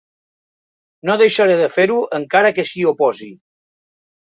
No deixaré de fer-ho encara que s'hi oposi.